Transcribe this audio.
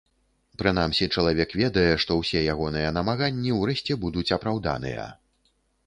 Прынамсі, чалавек ведае, што ўсе ягоныя намаганні ўрэшце будуць апраўданыя.